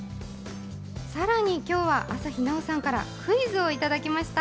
さらに今日は朝日奈央さんからクイズをいただきました。